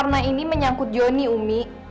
jody menyangkut jony umi